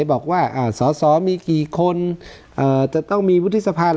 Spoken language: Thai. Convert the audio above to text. บอกว่าอะสมีกี่คนเอ่อจะต้องมีวุฒิษภา